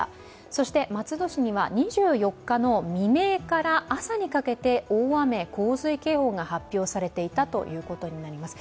そして松戸市には２４日の未明から朝にかけて大雨洪水警報が発表されていたということになります。